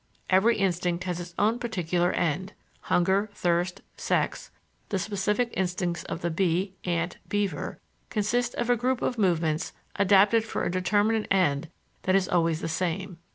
Every instinct has its own particular end: hunger, thirst, sex, the specific instincts of the bee, ant, beaver, consist of a group of movements adapted for a determinate end that is always the same.